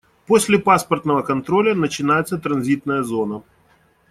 После паспортного контроля начинается транзитная зона.